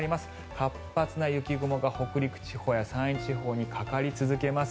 活発な雪雲が北陸地方や山陰地方にかかり続けます。